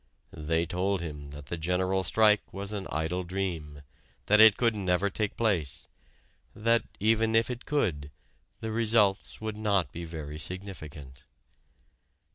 They told him that the General Strike was an idle dream, that it could never take place, that, even if it could, the results would not be very significant.